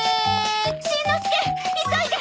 しんのすけ急いで！